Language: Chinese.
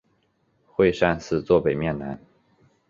会善寺坐北面南。